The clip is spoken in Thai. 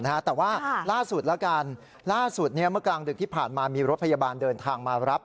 แต่ว่าล่าสุดแล้วกันล่าสุดเมื่อกลางดึกที่ผ่านมามีรถพยาบาลเดินทางมารับ